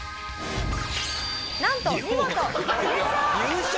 なんと見事優勝！